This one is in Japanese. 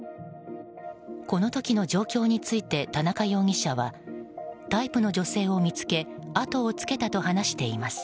この時の状況について田中容疑者はタイプの女性を見つけあとをつけたと話しています。